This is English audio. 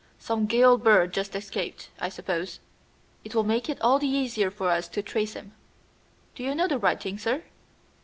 Some gaol bird just escaped, I suppose. It will make it all the easier for us to trace him. Do you know the writing, sir?"